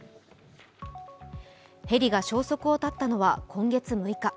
ヘリが消息を絶ったのは今月６日。